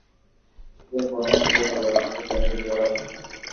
delea kuamua kutoa dhamana dhidi ya mteja wake